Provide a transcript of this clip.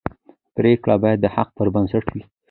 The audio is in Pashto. پرېکړې باید د حق پر بنسټ وي